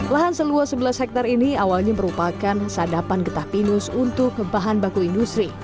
lahan seluas sebelas hektare ini awalnya merupakan sadapan getah pinus untuk bahan baku industri